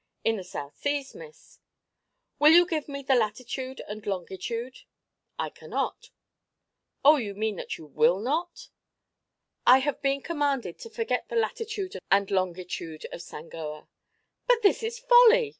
"In the South Seas, Miss." "Will you give me the latitude and longitude?" "I cannot." "Oh, you mean that you will not?" "I have been commanded to forget the latitude and longitude of Sangoa." "But this is folly!"